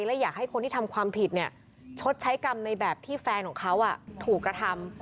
และอยากให้คนที่ทำความผิดชดใช้กรรมในแบบที่แฟนของเขาถูกกระทำ